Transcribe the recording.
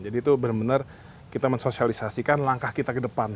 jadi itu benar benar kita mensosialisasikan langkah kita ke depan